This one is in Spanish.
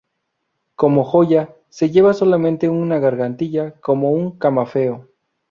Como joya, se lleva solamente una gargantilla con un camafeo.